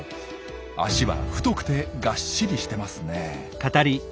脚は太くてがっしりしてますね。